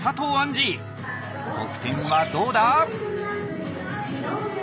得点はどうだ？